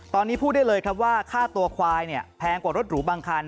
ตอนนี้พูดได้เลยครับว่าค่าตัวควายเนี่ยแพงกว่ารถหรูบางคัน